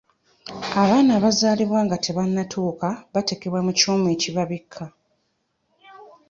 Abaana abazaaliba nga tebanneetuuka bateekebwa mu kyuma ekibabikka.